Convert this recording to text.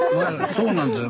そうなんですよ。